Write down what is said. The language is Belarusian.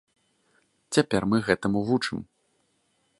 Цяпер мы гэтаму вучым.